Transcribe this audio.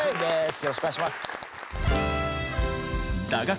よろしくお願いします。